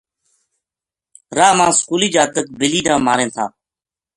راہ ما سکولی جاتک بلی نا ماریں تھا